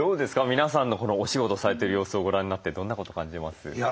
皆さんのお仕事されてる様子をご覧になってどんなこと感じます？